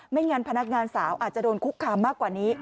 งั้นพนักงานสาวอาจจะโดนคุกคามมากกว่านี้